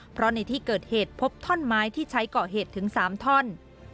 เพราะในที่เกิดเหตุพบท่อนไม้ที่ใช้ก่อเหตุถึง๓ท่อน